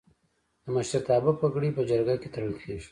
د مشرتابه پګړۍ په جرګه کې تړل کیږي.